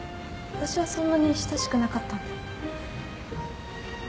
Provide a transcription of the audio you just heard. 私はそんなに親しくなかったんで。